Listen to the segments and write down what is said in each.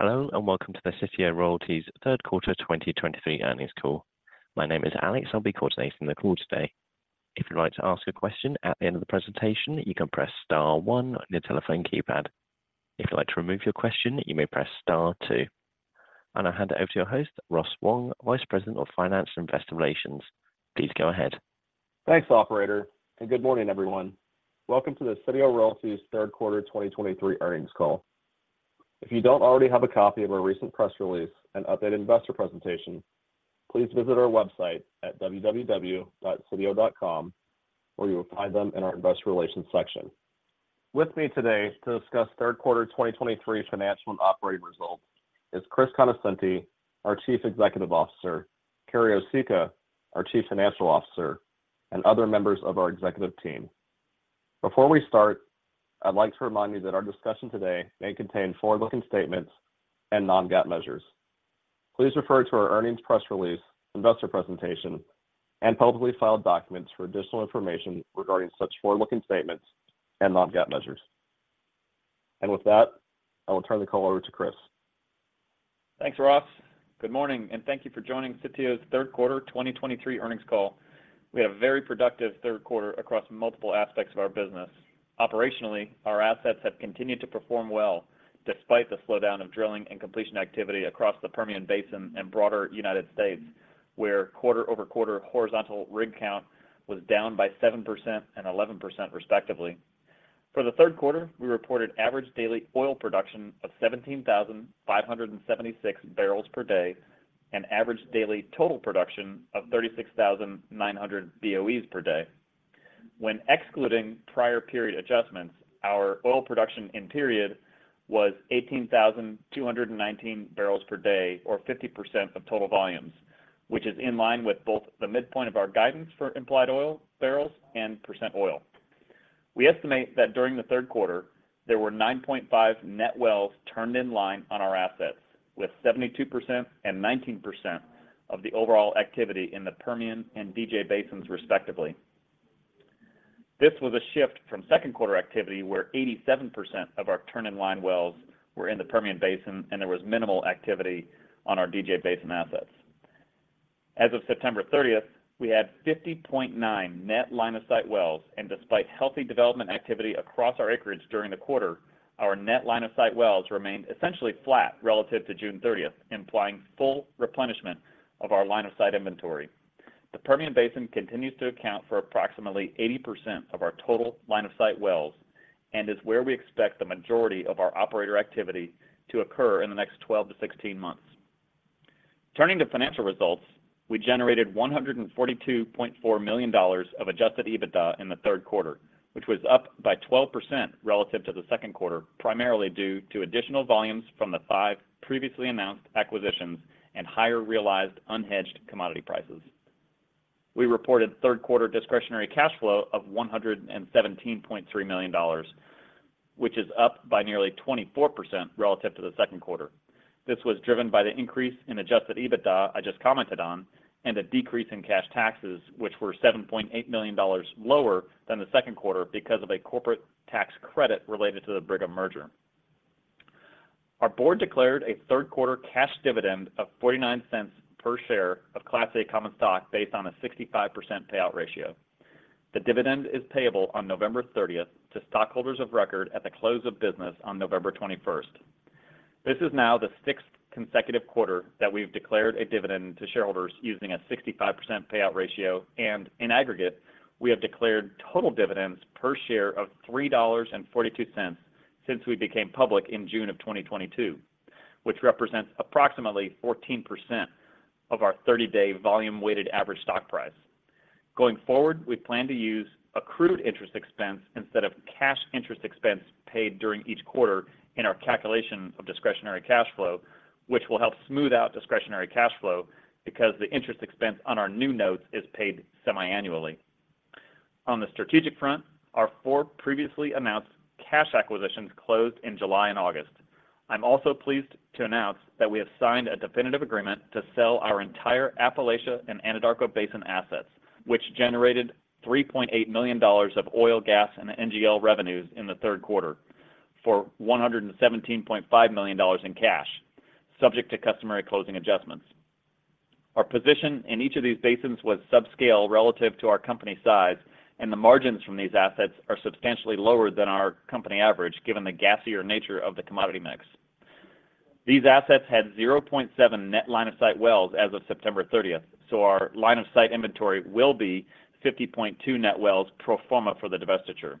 Hello, and welcome to the Sitio Royalties third quarter 2023 earnings call. My name is Alex. I'll be coordinating the call today. If you'd like to ask a question at the end of the presentation, you can press star one on your telephone keypad. If you'd like to remove your question, you may press star two. I'll now hand it over to your host, Ross Wong, Vice President of Finance and Investor Relations. Please go ahead. Thanks, operator, and good morning, everyone. Welcome to the Sitio Royalties third quarter 2023 earnings call. If you don't already have a copy of our recent press release and updated investor presentation, please visit our website at www.sitio.com, where you will find them in our investor relations section. With me today to discuss third quarter 2023 financial and operating results is Chris Conoscenti, our Chief Executive Officer, Carrie Osicka, our Chief Financial Officer, and other members of our executive team. Before we start, I'd like to remind you that our discussion today may contain forward-looking statements and non-GAAP measures. Please refer to our earnings press release, investor presentation, and publicly filed documents for additional information regarding such forward-looking statements and non-GAAP measures. With that, I will turn the call over to Chris. Thanks, Ross. Good morning, and thank you for joining Sitio's third quarter 2023 earnings call. We had a very productive third quarter across multiple aspects of our business. Operationally, our assets have continued to perform well, despite the slowdown of drilling and completion activity across the Permian Basin and broader United States, where quarter-over-quarter horizontal rig count was down by 7% and 11%, respectively. For the third quarter, we reported average daily oil production of 17,576 barrels per day and average daily total production of 36,900 BOEs per day. When excluding prior period adjustments, our oil production in period was 18,219 barrels per day, or 50% of total volumes, which is in line with both the midpoint of our guidance for implied oil barrels and percent oil. We estimate that during the third quarter, there were 9.5 net wells turned in line on our assets, with 72% and 19% of the overall activity in the Permian and DJ Basins, respectively. This was a shift from second quarter activity, where 87% of our turn-in-line wells were in the Permian Basin, and there was minimal activity on our DJ Basin assets. As of September thirtieth, we had 50.9 net line-of-sight wells, and despite healthy development activity across our acreage during the quarter, our net line-of-sight wells remained essentially flat relative to June thirtieth, implying full replenishment of our line-of-sight inventory. The Permian Basin continues to account for approximately 80% of our total line-of-sight wells and is where we expect the majority of our operator activity to occur in the next 12-16 months. Turning to financial results, we generated $142.4 million of adjusted EBITDA in the third quarter, which was up by 12% relative to the second quarter, primarily due to additional volumes from the five previously announced acquisitions and higher realized unhedged commodity prices. We reported third quarter discretionary cash flow of $117.3 million, which is up by nearly 24% relative to the second quarter. This was driven by the increase in adjusted EBITDA I just commented on, and a decrease in cash taxes, which were $7.8 million lower than the second quarter because of a corporate tax credit related to the Brigham merger. Our board declared a third quarter cash dividend of $0.49 per share of Class A common stock based on a 65% payout ratio. The dividend is payable on November 30th to stockholders of record at the close of business on November 21st. This is now the sixth consecutive quarter that we've declared a dividend to shareholders using a 65% payout ratio, and in aggregate, we have declared total dividends per share of $3.42 since we became public in June 2022, which represents approximately 14% of our 30-day volume-weighted average stock price. Going forward, we plan to use accrued interest expense instead of cash interest expense paid during each quarter in our calculation of discretionary cash flow, which will help smooth out discretionary cash flow because the interest expense on our new notes is paid semiannually. On the strategic front, our 4 previously announced cash acquisitions closed in July and August. I'm also pleased to announce that we have signed a definitive agreement to sell our entire Appalachia and Anadarko Basin assets, which generated $3.8 million of oil, gas, and NGL revenues in the third quarter for $117.5 million in cash, subject to customary closing adjustments. Our position in each of these basins was subscale relative to our company size, and the margins from these assets are substantially lower than our company average, given the gassier nature of the commodity mix. These assets had 0.7 net line-of-sight wells as of September 30th, so our line-of-sight inventory will be 50.2 net wells pro forma for the divestiture.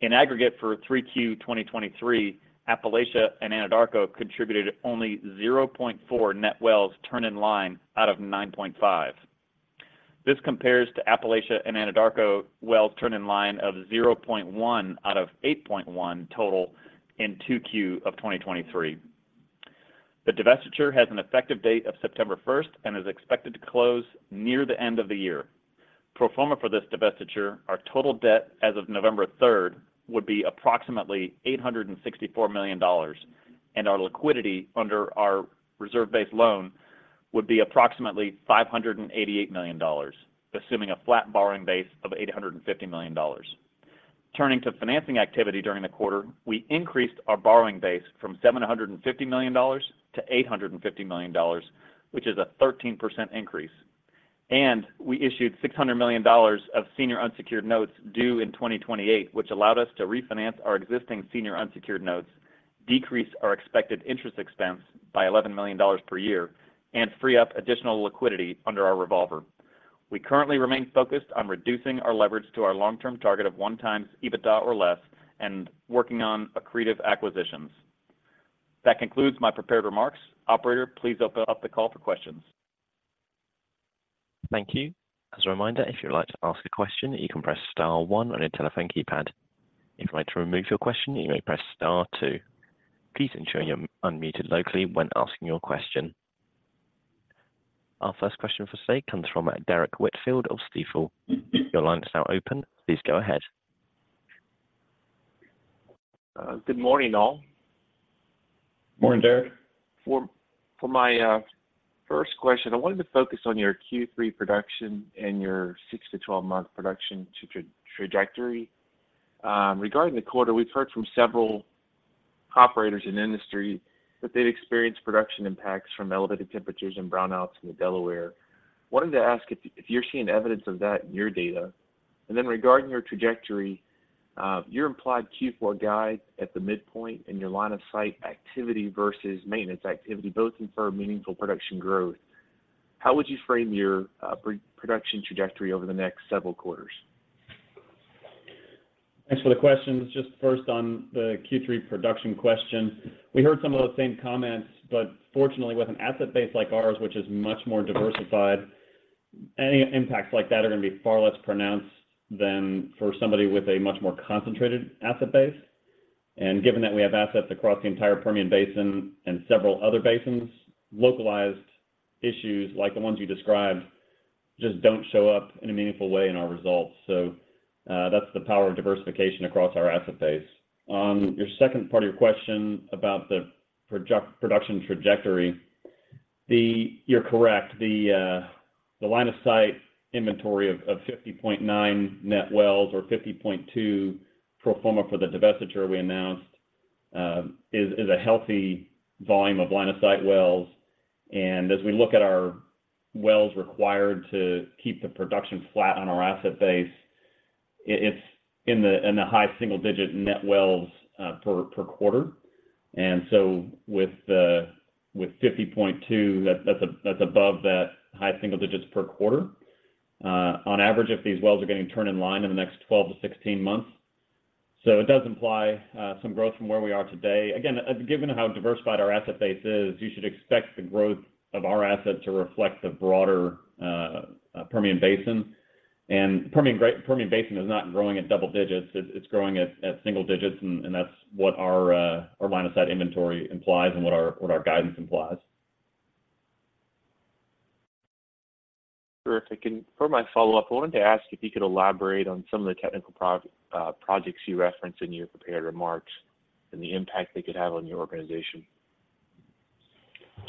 In aggregate, for 3Q 2023, Appalachia and Anadarko contributed only 0.4 net wells turn in line out of 9.5. This compares to Appalachia and Anadarko wells turn in line of 0.1 out of 8.1 total in 2Q of 2023. The divestiture has an effective date of September 1 and is expected to close near the end of the year. Pro forma for this divestiture, our total debt as of November 3 would be approximately $864 million, and our liquidity under our reserve-based loan would be approximately $588 million, assuming a flat borrowing base of $850 million. Turning to financing activity during the quarter, we increased our borrowing base from $750 million to $850 million, which is a 13% increase. We issued $600 million of senior unsecured notes due in 2028, which allowed us to refinance our existing senior unsecured notes, decrease our expected interest expense by $11 million per year, and free up additional liquidity under our revolver. We currently remain focused on reducing our leverage to our long-term target of 1x EBITDA or less, and working on accretive acquisitions. That concludes my prepared remarks. Operator, please open up the call for questions. Thank you. As a reminder, if you'd like to ask a question, you can press star one on your telephone keypad. If you'd like to remove your question, you may press star two. Please ensure you're unmuted locally when asking your question. Our first question for today comes from Derrick Whitfield of Stifel. Your line is now open. Please go ahead. Good morning, all. Morning, Derrick. For my first question, I wanted to focus on your Q3 production and your 6-12-month production trajectory. Regarding the quarter, we've heard from several operators in the industry that they've experienced production impacts from elevated temperatures and brownouts in the Delaware. Wanted to ask if you're seeing evidence of that in your data? And then regarding your trajectory, your implied Q4 guide at the midpoint in your line-of-sight activity versus maintenance activity, both confirm meaningful production growth. How would you frame your production trajectory over the next several quarters? Thanks for the questions. Just first on the Q3 production question, we heard some of those same comments, but fortunately, with an asset base like ours, which is much more diversified, any impacts like that are gonna be far less pronounced than for somebody with a much more concentrated asset base. And given that we have assets across the entire Permian Basin and several other basins, localized issues, like the ones you described, just don't show up in a meaningful way in our results. So, that's the power of diversification across our asset base. On your second part of your question about the production trajectory, you're correct. The line of sight inventory of 50.9 net wells, or 50.2 pro forma for the divestiture we announced, is a healthy volume of line of sight wells. And as we look at our wells required to keep the production flat on our asset base, it's in the high single-digit net wells per quarter. And so with 50.2, that's above that high single digits per quarter. On average, if these wells are getting turned in line in the next 12-16 months, so it does imply some growth from where we are today. Again, given how diversified our asset base is, you should expect the growth of our assets to reflect the broader Permian Basin. And Permian Basin is not growing at double digits. It's growing at single digits, and that's what our line-of-sight inventory implies and what our guidance implies. Terrific. For my follow-up, I wanted to ask if you could elaborate on some of the technical projects you referenced in your prepared remarks and the impact they could have on your organization?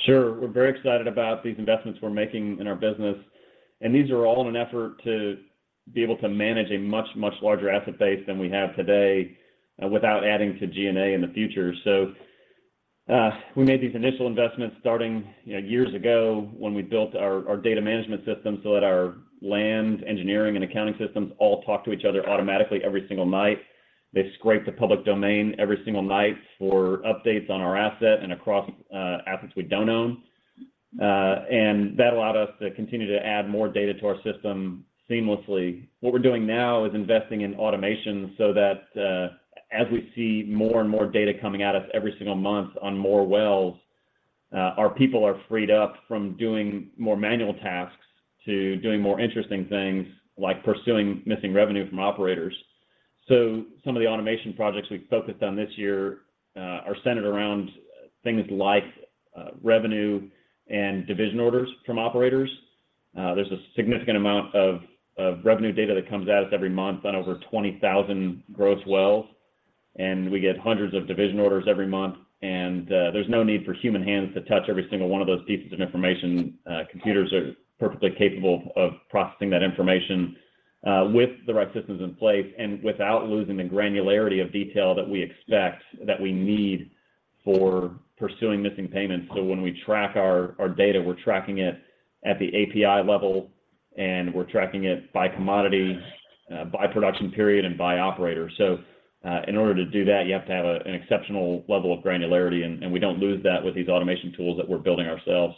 Sure. We're very excited about these investments we're making in our business, and these are all in an effort to be able to manage a much, much larger asset base than we have today, without adding to G&A in the future. So, we made these initial investments starting, you know, years ago when we built our data management system so that our land, engineering, and accounting systems all talk to each other automatically every single night. They scrape the public domain every single night for updates on our asset and across assets we don't own. And that allowed us to continue to add more data to our system seamlessly. What we're doing now is investing in automation so that, as we see more and more data coming at us every single month on more wells, our people are freed up from doing more manual tasks to doing more interesting things, like pursuing missing revenue from operators. So some of the automation projects we've focused on this year are centered around things like, revenue and division orders from operators. There's a significant amount of revenue data that comes at us every month on over 20,000 gross wells, and we get hundreds of division orders every month, and there's no need for human hands to touch every single one of those pieces of information. Computers are perfectly capable of processing that information with the right systems in place and without losing the granularity of detail that we expect, that we need for pursuing missing payments. So when we track our data, we're tracking it at the API level, and we're tracking it by commodity, by production period, and by operator. So in order to do that, you have to have an exceptional level of granularity, and we don't lose that with these automation tools that we're building ourselves.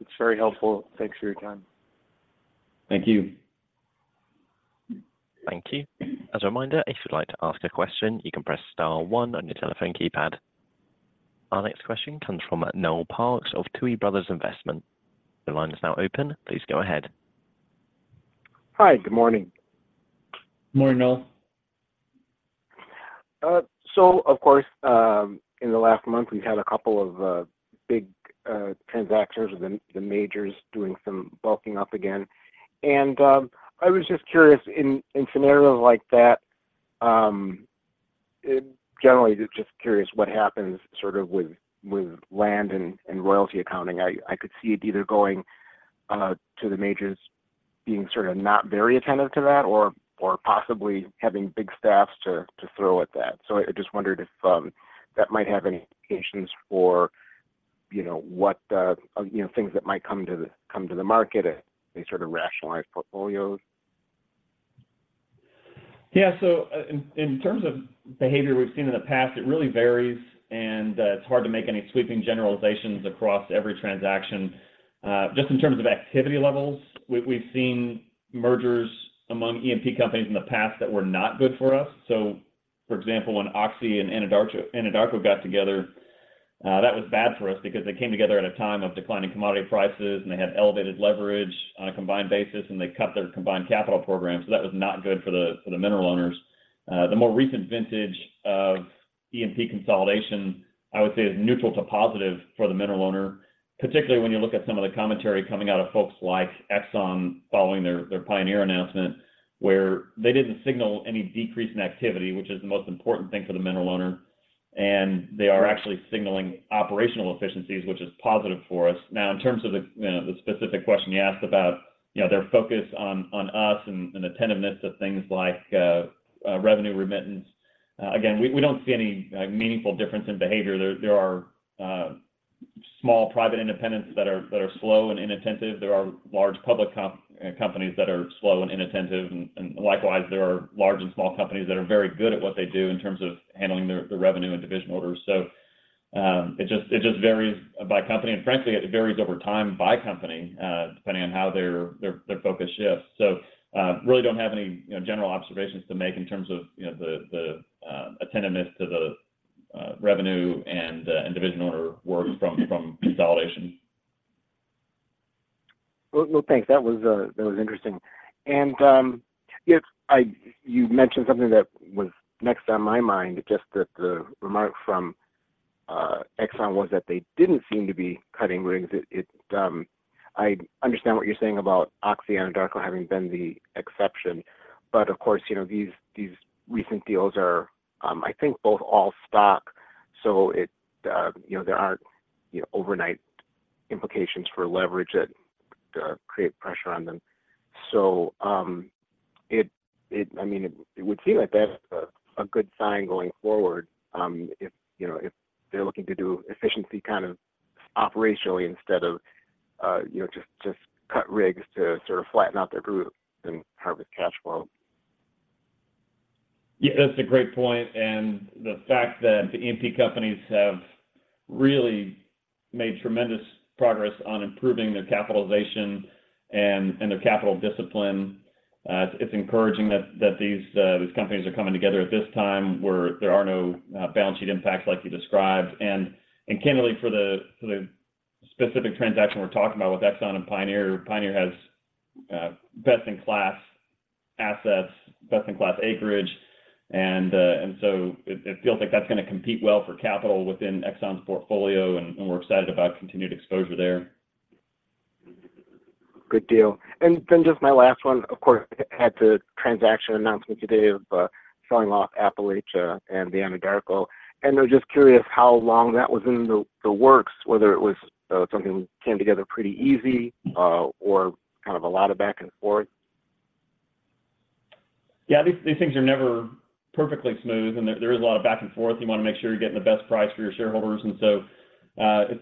It's very helpful. Thanks for your time. Thank you. Thank you. As a reminder, if you'd like to ask a question, you can press star one on your telephone keypad. Our next question comes from Noel Parks of Tuohy Brothers Investment. The line is now open. Please go ahead. Hi, good morning. Morning, Noel. So of course, in the last month, we've had a couple of big transactions with the majors doing some bulking up again. And I was just curious, in scenarios like that, generally just curious what happens sort of with land and royalty accounting. I could see it either going to the majors being sort of not very attentive to that, or possibly having big staffs to throw at that. So I just wondered if that might have any implications for, you know, what the, you know, things that might come to the market as they sort of rationalize portfolios? Yeah. So in terms of behavior we've seen in the past, it really varies, and it's hard to make any sweeping generalizations across every transaction. Just in terms of activity levels, we've seen mergers among E&P companies in the past that were not good for us. So for example, when Oxy and Anadarko got together, that was bad for us because they came together at a time of declining commodity prices, and they had elevated leverage on a combined basis, and they cut their combined capital program. So that was not good for the mineral owners. The more recent vintage of E&P consolidation, I would say, is neutral to positive for the mineral owner, particularly when you look at some of the commentary coming out of folks like Exxon following their Pioneer announcement, where they didn't signal any decrease in activity, which is the most important thing for the mineral owner. They are actually signaling operational efficiencies, which is positive for us. Now, in terms of the specific question you asked about, you know, their focus on us and attentiveness to things like revenue remittance, again, we don't see any meaningful difference in behavior. There are small private independents that are slow and inattentive. There are large public companies that are slow and inattentive, and likewise, there are large and small companies that are very good at what they do in terms of handling their revenue and division orders. So, it just varies by company, and frankly, it varies over time by company, depending on how their focus shifts. So, really don't have any, you know, general observations to make in terms of, you know, the attentiveness to the revenue and division order work from consolidation. Well, well, thanks. That was interesting. And yes, you mentioned something that was next on my mind, just that the remark from Exxon was that they didn't seem to be cutting rigs. I understand what you're saying about Oxy and Anadarko having been the exception, but of course, you know, these recent deals are, I think, both all-stock. So you know, there aren't overnight implications for leverage that create pressure on them. So, I mean, it would seem like that's a good sign going forward, if you know, if they're looking to do efficiency kind of operationally instead of you know, just cut rigs to sort of flatten out their group and harvest cash flow. Yeah, that's a great point, and the fact that the E&P companies have really made tremendous progress on improving their capitalization and their capital discipline. It's encouraging that these companies are coming together at this time where there are no balance sheet impacts like you described. And candidly, for the specific transaction we're talking about with Exxon and Pioneer, Pioneer has best-in-class assets, best-in-class acreage, and so it feels like that's gonna compete well for capital within Exxon's portfolio, and we're excited about continued exposure there. Good deal. And then just my last one, of course, had the transaction announcement today of selling off Appalachia and the Anadarko, and I'm just curious how long that was in the works, whether it was something that came together pretty easy, or kind of a lot of back and forth? Yeah, these things are never perfectly smooth, and there is a lot of back and forth. You wanna make sure you're getting the best price for your shareholders, and so,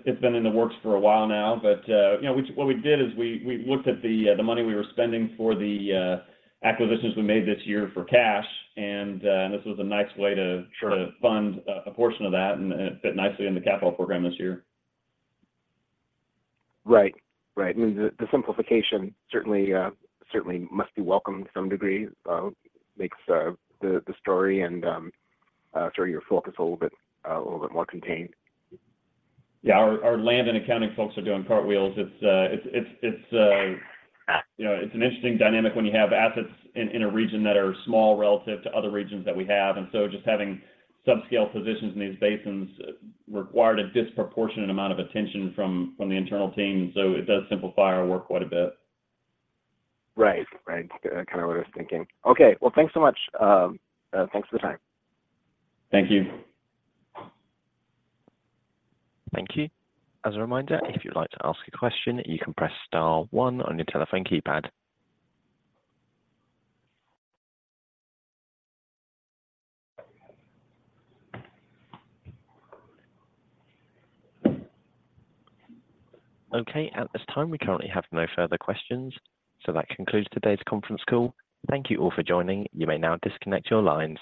it's been in the works for a while now, but, you know, we—what we did is we looked at the money we were spending for the acquisitions we made this year for cash, and this was a nice way to try to fund a portion of that, and it fit nicely in the capital program this year. Right. Right. I mean, the simplification certainly must be welcome to some degree. Makes the story and your focus a little bit more contained. Yeah, our land and accounting folks are doing cartwheels. It's, you know, it's an interesting dynamic when you have assets in a region that are small relative to other regions that we have. And so just having subscale positions in these basins required a disproportionate amount of attention from the internal team, so it does simplify our work quite a bit. Right. Right. That's kinda what I was thinking. Okay, well, thanks so much. Thanks for the time. Thank you. Thank you. As a reminder, if you'd like to ask a question, you can press star one on your telephone keypad. Okay, at this time, we currently have no further questions, so that concludes today's conference call. Thank you all for joining. You may now disconnect your lines.